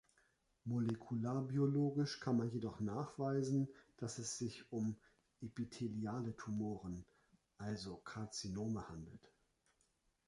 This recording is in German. Molekularbiologisch kann man jedoch nachweisen, dass es sich um epitheliale Tumoren, also Karzinome handelt.